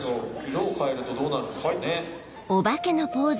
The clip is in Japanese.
色を変えるとどうなるんでしょうね。